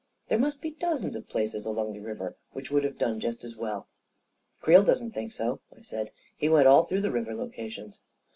There must be dozens of places along the river which would have done just as well." " Creel doesn't think so," I said. " He went all through the river locations."